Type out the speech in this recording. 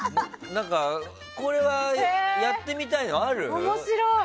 これはやってみたいのある？